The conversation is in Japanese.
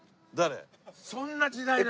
そんな時代なの？